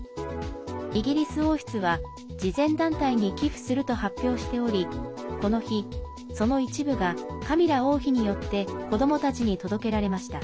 イギリス王室は、慈善団体に寄付すると発表しておりこの日、その一部がカミラ王妃によって子どもたちに届けられました。